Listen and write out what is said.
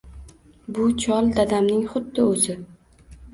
“Bu chol dadamning xuddi oʻzi!